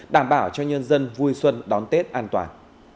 đảm bảo cho nhân dân vui xuân đón tết an toàn